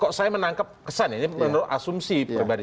kok saya menangkap kesan ini menurut asumsi pribadi